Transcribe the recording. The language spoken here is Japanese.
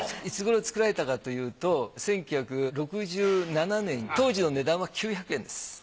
いつごろ作られたかというと１９６７年当時の値段は９００円です。